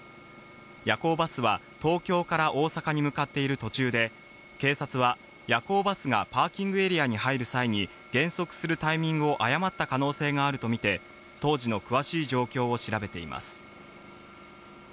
夜行バスは東京から大阪に向かっている途中で、警察は夜行バスがパーキングエリアに入る際に減速するタイミングを誤った可能性があるとみて、当時の詳しい状況を調べています。